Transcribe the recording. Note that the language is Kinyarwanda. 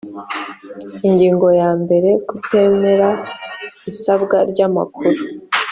ingingo ya mbere kutemera isabwa ry amakuru